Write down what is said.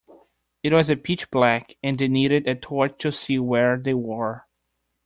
It was pitch black, and they needed a torch to see where they were